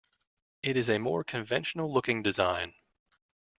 It is a more conventional looking design.